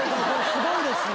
すごいですね。